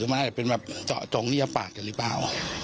มันอาจจะเป็นแบบเจาะจงเรียบปากกันหรือเปล่า